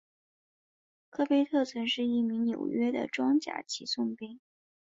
科贝特曾是一名纽约的装甲骑送兵。